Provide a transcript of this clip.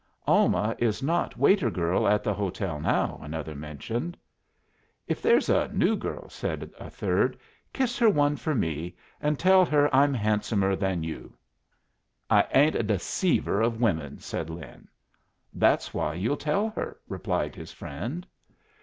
"Alma is not waiter girl at the hotel now," another mentioned. "If there's a new girl," said a third, "kiss her one for me, and tell her I'm handsomer than you." "I ain't a deceiver of women," said Lin. "That's why you'll tell her," replied his friend.